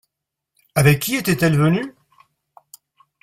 Avec qui était-elle venu ?